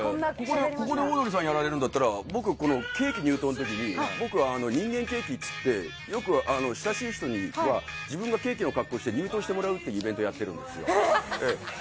ここでオードリーさんやられるんだったらケーキ入刀の時に僕、人間ケーキっていってよく、親しい人には自分がケーキの格好をして入刀してもらうというイベントをやってるんです。